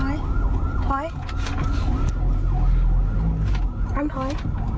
อาร์มถอย